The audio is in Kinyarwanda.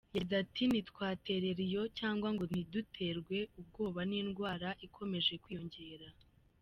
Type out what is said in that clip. Yagize ati “Ntitwaterera iyo cyangwa ngo ntiduterwe ubwoba n’indwara ikomeje kwiyongera.